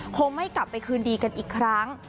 คงไม่กลับไปคืนดีกันอีกครั้ง